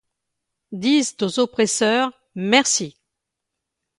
Disent aux oppresseurs merci !